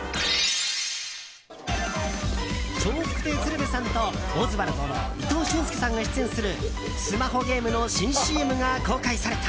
笑福亭鶴瓶さんとオズワルドの伊藤俊介さんが出演するスマホゲームの新ＣＭが公開された。